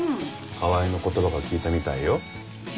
川合の言葉が効いたみたいよ。え？